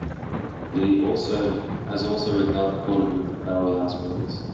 He has also recorded with the Barrelhouse Brothers.